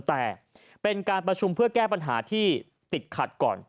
แต่เป็นการประชุมเพื่อแก้ปัญหาที่ติดขัดก่อน